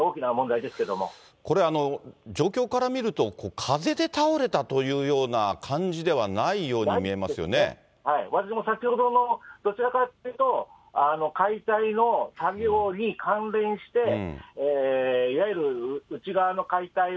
これ、状況から見ると、風で倒れたというような感じではない私も先ほども、どちらかというと、解体の作業に関連して、いわゆる内側の解体を